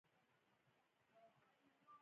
پښتون، پښتنه، پښتانه، پښتونولي، پښتونولۍ